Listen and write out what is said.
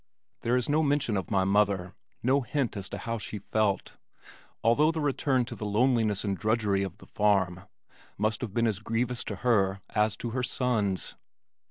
There is no mention of my mother, no hint as to how she felt, although the return to the loneliness and drudgery of the farm must have been as grievous to her as to her sons.